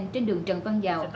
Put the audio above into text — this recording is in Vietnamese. trên đường trần văn dào